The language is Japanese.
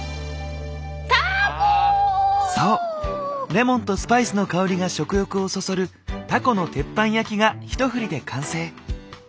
そうレモンとスパイスの香りが食欲をそそるタコの鉄板焼きが一振りで完成。